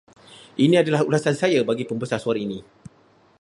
Ini adalah ulasan saya bagi pembesar suara ini.